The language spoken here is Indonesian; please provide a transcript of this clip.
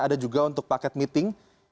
ada juga untuk paket meeting